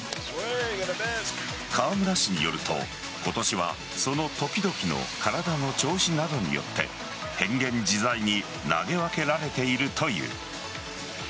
川村氏によると今年はその時々の体の調子などによって変幻自在に投げ分けられているという。